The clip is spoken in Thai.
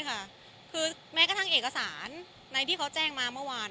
ใช่ไม่ค่ะแม้กระทั่งเอกสารในที่เจ่งมาเมื่อวาน